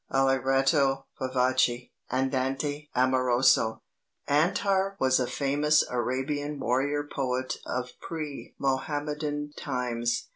Allegretto vivace Andante amoroso Antar was a famous Arabian warrior poet of pre Mohammedan times.